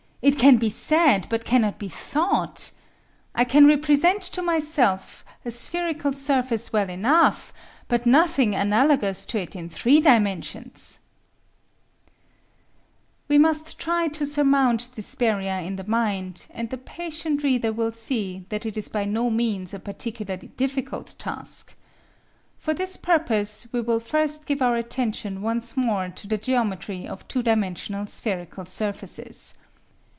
"It can be said, but cannot be thought. I can represent to myself a spherical surface well enough, but nothing analogous to it in three dimensions." [Figure 2: A circle projected from a sphere onto a plane] We must try to surmount this barrier in the mind, and the patient reader will see that it is by no means a particularly difficult task. For this purpose we will first give our attention once more to the geometry of two dimensional spherical surfaces.